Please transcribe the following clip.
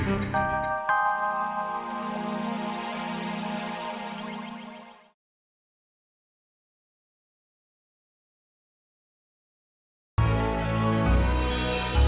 sekarang tarzan harus lapor ke kak kevin